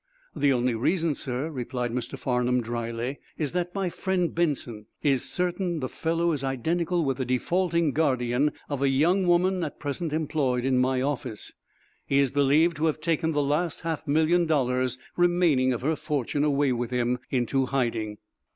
"The only reason, sir," replied Mr. Farnum dryly, "is that my friend, Benson, is certain the fellow is identical with the defaulting guardian of a young woman at present employed in my office. He is believed to have taken the last half million dollars remaining of her fortune away with him into hiding."